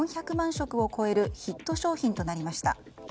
食を超えるヒット商品となりました。